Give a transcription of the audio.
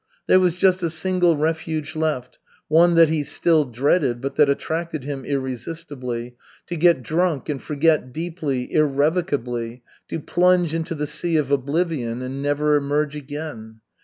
There was just a single refuge left, one that he still dreaded but that attracted him irresistibly, to get drunk and forget deeply, irrevocably, to plunge into the sea of oblivion and never emerge again.